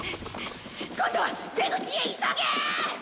今度は出口へ急げーっ！